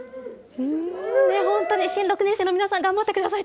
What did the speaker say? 本当に新６年生の皆さん、頑張ってください。